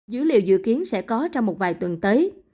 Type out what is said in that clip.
dữ liệu dự kiến sẽ có trong một vài tuần tới